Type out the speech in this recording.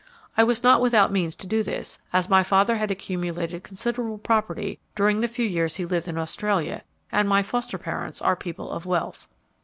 I was not without means to do this, as my father had accumulated considerable property during the few years he lived in Australia, and my foster parents are people of wealth.